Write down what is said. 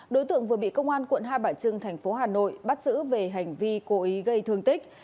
đối tượng vừa bị công an quận hai bà trưng thành phố hà nội bắt giữ về hành vi cố ý gây thương tích